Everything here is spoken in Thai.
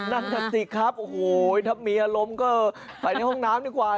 นั่นน่ะสิครับโอ้โหถ้ามีอารมณ์ก็ไปในห้องน้ำดีกว่า